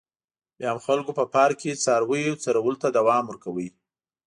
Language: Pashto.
بیا هم خلکو په پارک کې څارویو څرولو ته دوام ورکاوه.